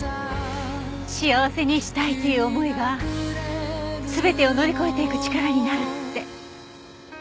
幸せにしたいという思いが全てを乗り越えていく力になるって。